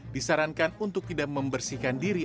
disarankan untuk tidak membersihkan diri